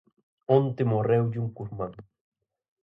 Onte morreulle un curmán